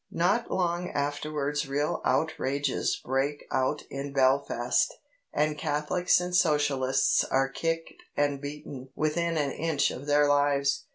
Not long afterwards real outrages break out in Belfast, and Catholics and Socialists are kicked and beaten within an inch of their lives.